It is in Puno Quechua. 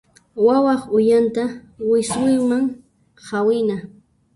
Wawaq uyanta wiswiwan hawina.